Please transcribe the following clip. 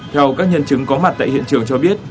theo các nhân chứng có mặt tại hiện trường cho biết